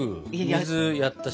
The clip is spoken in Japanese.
水やったし。